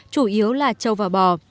chủ yếu là châu và bò